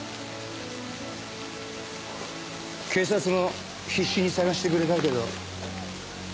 警察も必死に捜してくれたけど。